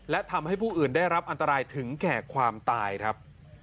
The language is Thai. และทำให้ผู้อื่นได้รับอันตรายถึงแก่ความตายครับ